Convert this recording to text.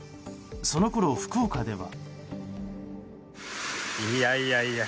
そのころ、福岡では。